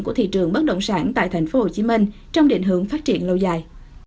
của thị trường bất động sản tại tp hcm trong định hướng phát triển lâu dài